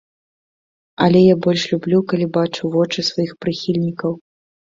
Але я больш люблю, калі бачу вочы сваіх прыхільнікаў.